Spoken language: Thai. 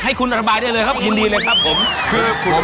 ผมให้คุณระบายได้เลยครับยินดีเลยครับ